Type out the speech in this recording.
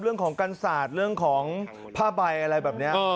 เรื่องของกันสาดเรื่องของพล่าก็อาจใบอะไรแบบนี้